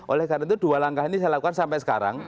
oleh karena itu dua langkah ini saya lakukan sampai sekarang